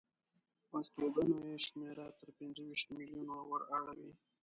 استوګنو یې شمېره تر پنځه ویشت میلیونو وراوړي.